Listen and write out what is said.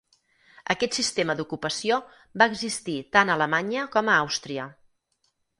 Aquest sistema d'ocupació va existir tant a Alemanya com a Àustria.